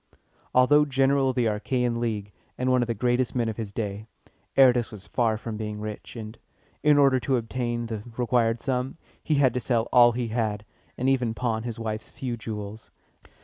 Although general of the Achæan League, and one of the greatest men of his day, Aratus was far from being rich; and, in order to obtain the required sum, he had to sell all he had, and even pawn his wife's few jewels.